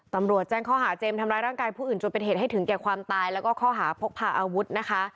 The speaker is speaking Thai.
ตำรวจแจ้งข้อหาเจมส์ทำร้ายร่างกายผู้อื่นจนเป็นเหตุให้ถึงแก่ความตายแล้วก็ข้อหาพกพาอาวุธนะคะ